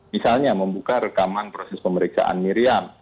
misalnya membuka rekaman proses pemeriksaan miriam